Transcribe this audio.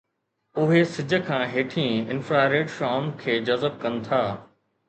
اهي سج کان هيٺئين انفراريڊ شعاعن کي جذب ڪن ٿا